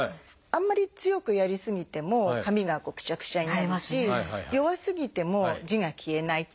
あんまり強くやり過ぎても紙がくしゃくしゃになるし弱すぎても字が消えない。